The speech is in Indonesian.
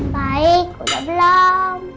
baik udah belum